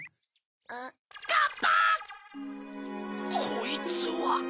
こいつは。